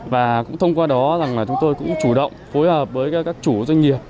và thông qua đó chúng tôi cũng chủ động phối hợp với các chủ doanh nghiệp